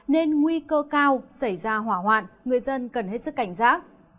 nên nguy cơ cao xảy ra hỏa hoạn người dân cần hết sức cảnh giác